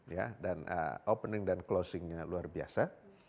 ya dan opening dan closingnya luar biasa